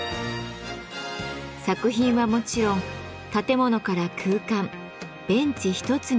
作品はもちろん建物から空間ベンチ一つに至るまで個性豊か。